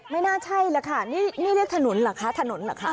ไม่น่าใช่แล้วค่ะนี่เรียกถนนเหรอคะถนนเหรอคะ